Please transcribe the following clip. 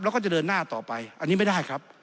แล้วก็จะเดินหน้าต่อไปอันนี้ไม่ได้ครับ